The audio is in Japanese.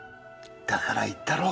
だから言ったろ。